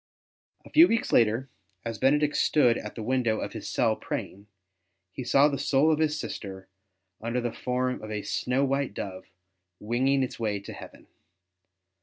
A few weeks later, as Benedict stood at the window of his cell praying, he saw the soul of his sister, under the form of a snow white dove, winging its way to heaven.